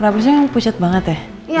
rambutnya yang pucat banget ya